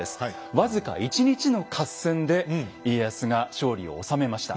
僅か１日の合戦で家康が勝利をおさめました。